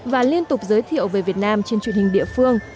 và liên tục giới thiệu về việt nam trên truyền hình địa phương